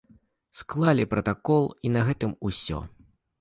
Склалі пратакол, і на гэтым усё.